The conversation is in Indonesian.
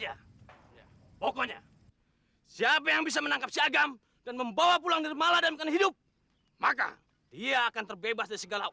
jangan sentuh aku atau aku akan bunuh diri